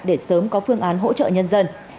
để sớm có phương án hỗ trợ nhân dân